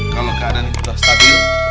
kalau keadaan itu sudah stabil